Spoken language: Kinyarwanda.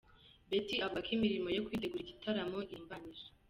Betty avuga ko imirimo yo kwitegura igitaramo irimbanije.